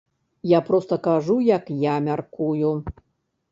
Я проста кажу, як я мяркую.